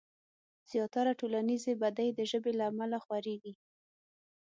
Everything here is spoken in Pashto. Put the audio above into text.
زياتره ټولنيزې بدۍ د ژبې له امله خورېږي.